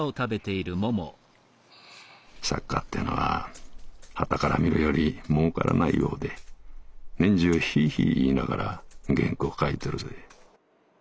「作家ってェのは端から見るより儲からないようで年中ひぃひぃ言いながら原稿書いてるぜ」。